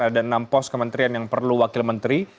menteri yang baru diberikan pos kementerian yang perlu wakil menteri